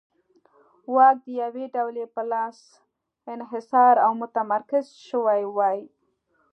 واک د یوې ډلې په لاس انحصار او متمرکز شوی وای.